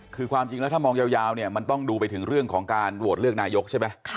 คือความจริงแล้วถ้ามองยาวเนี่ยมันต้องดูไปถึงเรื่องของการโหวตเลือกนายกใช่ไหม